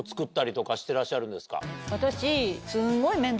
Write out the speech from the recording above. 私。